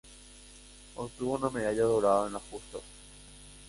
Obtuvo una medalla dorada en las justas.